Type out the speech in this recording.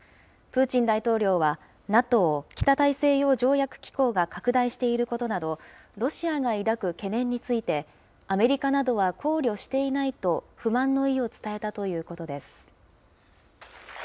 プーチン大統領は、ＮＡＴＯ・北大西洋条約機構が拡大していることなど、ロシアが抱く懸念について、アメリカなどは考慮していないと不満の意を伝えたということです。